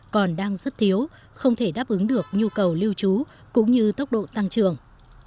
còn đang rất thiếu không thể đáp ứng được nhu cầu lưu trú cũng như tốc độ tăng trưởng